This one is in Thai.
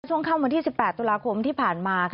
ช่วงค่ำวันที่๑๘ตุลาคมที่ผ่านมา